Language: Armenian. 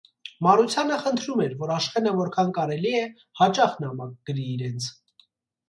Մարությանը խնդրում էր, որ Աշխենը որքան կարելի է՝ հաճախ նամակ գրի իրենց: